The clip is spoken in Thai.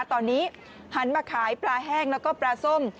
ตอนนี้หันมาขายปลาแห้งแล้วก็ปลาส้ม